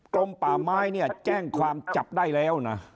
ลมป่าไม้เนี่ยแจ้งความจับได้แล้วนะ